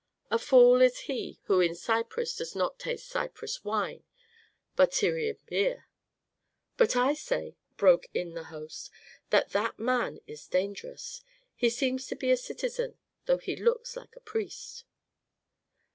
A fool is he who in Cyprus does not taste Cyprus wine, but Tyrian beer " "But I say," broke in the host, "that that man is dangerous. He seems to be a citizen, though he looks like a priest."